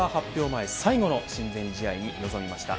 前最後の親善試合に臨みました。